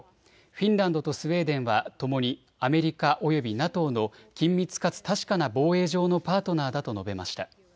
フィンランドとスウェーデンはともにアメリカおよびＮＡＴＯの緊密かつ確かな防衛上のパートナーだと述べました。